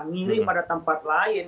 ngirim pada tempat lain